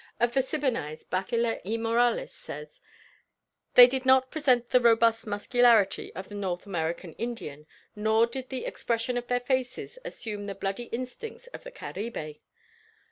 Of the Siboneyes Bachiller y Morales says: "They did not present the robust muscularity of the North American Indian nor did the expression of their faces assume the bloody instincts of the Caribe.